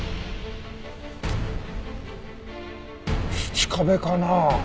土壁かな？